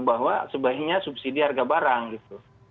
bahwa sebaiknya subsidi harga barang gitu